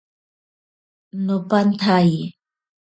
Nopantsatye.